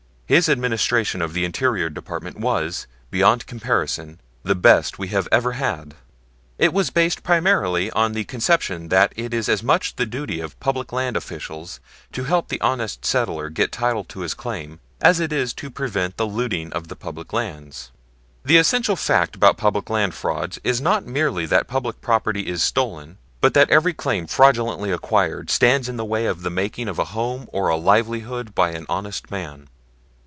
His administration of the Interior Department was beyond comparison the best we have ever had. It was based primarily on the conception that it is as much the duty of public land officials to help the honest settler get title to his claim as it is to prevent the looting of the public lands. The essential fact about public land frauds is not merely that public property is stolen, but that every claim fraudulently acquired stands in the way of the making of a home or a livelihood by an honest man.